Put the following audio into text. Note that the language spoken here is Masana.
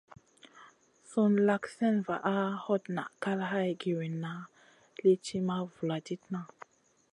Sùn lak slèna vaʼa, hot naʼ kal hay giwinna lì ti ma vuladidna.